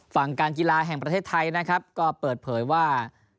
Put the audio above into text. การกีฬาแห่งประเทศไทยนะครับก็เปิดเผยว่า